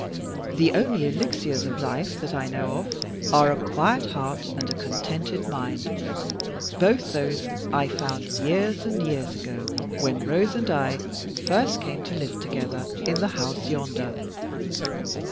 The only Elixirs of Life that I know of are a quiet heart and a contented mind. Both those I found, years and years ago, when Rose and I first came to live together in the house yonder."